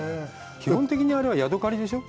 基本的にあれはヤドカリでしょ？